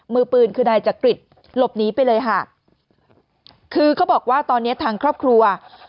มือปืนคือนายจักริตหลบหนีไปเลยค่ะคือเขาบอกว่าตอนเนี้ยทางครอบครัว